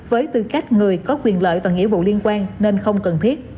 với tư cách người có quyền lợi và nghĩa vụ liên quan nên không cần thiết